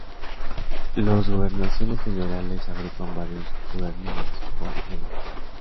Los gobernaciones generales agrupan varios gubernias u óblasts.